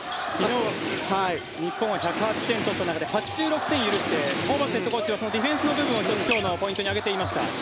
日本は１０８点取った中で８６点を許してホーバスヘッドコーチはディフェンスの部分をポイントに挙げていました。